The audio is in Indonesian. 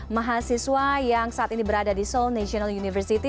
mahasiswa yang saat ini berada di seoul national university